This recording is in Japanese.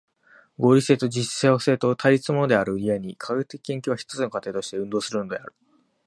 合理性と実証性とは対立するものである故に、科学的研究は一つの過程として運動するのである。